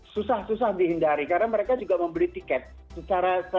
susah susah dihindari karena mereka juga mau beli tiket secara resmi ya